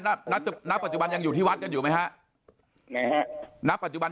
ต้องว่าถูกต้องแล้วปัจจุบันยังอยู่ที่วัดกันอยู่ไหมนะปัจจุบัน